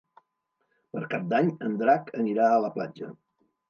Per Cap d'Any en Drac anirà a la platja.